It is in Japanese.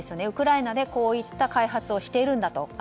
ウクライナでこういった開発をしているんだと。